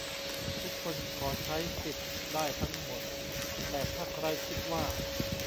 ทุกคนขอใช้สิทธิ์ได้ทั้งหมด แต่ถ้าใครคิดว่า